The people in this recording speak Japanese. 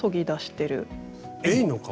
エイの革？